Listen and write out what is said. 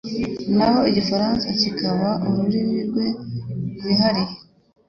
naho igifaransa kikaba ururimi rwe rwihariye